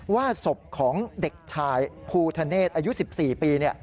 ว่าศพของเด็กชายภูทะเนศอายุ๑๔ปี